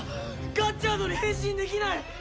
ガッチャードに変身できない！